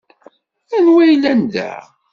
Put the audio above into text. Anwa ay yellan da?